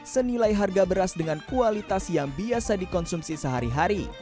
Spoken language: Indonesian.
senilai harga beras dengan kualitas yang biasa dikonsumsi sehari hari